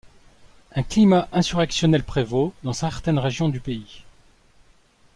Un climat insurrectionnel prévaut dans certaines régions du pays.